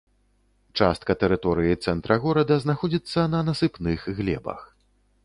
Частка тэрыторыі цэнтра горада знаходзіцца на насыпных глебах.